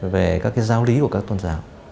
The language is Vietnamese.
về các cái giao lý của các tôn giáo